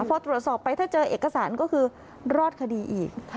พอตรวจสอบไปถ้าเจอเอกสารก็คือรอดคดีอีก